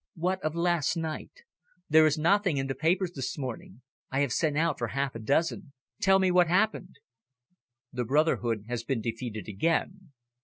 "What of last night? There is nothing in the papers this morning. I have sent out for half a dozen. Tell me what happened." "The brotherhood has been defeated again."